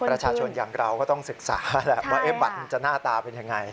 ประชาชนอย่างเราก็ต้องศึกษาแหละว่าบัตรมันจะหน้าตาเป็นยังไง